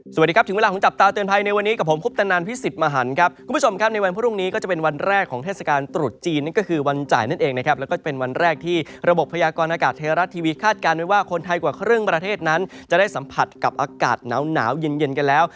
สวัสดีครับถึงเวลาของจับตาเตือนภัยในวันนี้กับผมคุปตนันพิสิทธิ์มหันครับคุณผู้ชมครับในวันพรุ่งนี้ก็จะเป็นวันแรกของเทศกาลตรุษจีนนั่นก็คือวันจ่ายนั่นเองนะครับแล้วก็เป็นวันแรกที่ระบบพยากรณากาศไทยรัฐทีวีคาดการณ์ไว้ว่าคนไทยกว่าครึ่งประเทศนั้นจะได้สัมผัสกับอากาศหนาวเย็นกันแล้ว